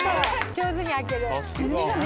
上手に開ける。